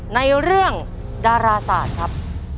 ในเรื่องดาราศาลครับ